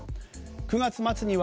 ９月末には